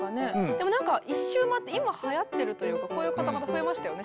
でもなんか一周回って今はやってるというかこういう方々増えましたよね。